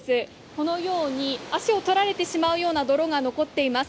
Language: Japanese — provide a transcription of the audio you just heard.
このように足を取られてしまうような泥が残っています。